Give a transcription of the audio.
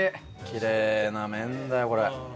きれいな麺だよこれ。